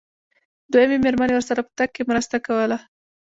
دويمې مېرمنې ورسره په تګ کې مرسته کوله.